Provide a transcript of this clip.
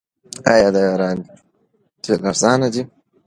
آیا د ایران تیل ارزانه دي؟